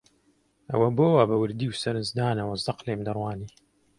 ئەوە بۆ وا بە وردی و سەرنجدانەوە زەق لێم دەڕوانی؟